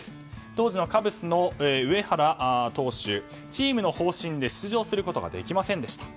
当時のカブスの上原投手チームの方針で出場することができませんでした。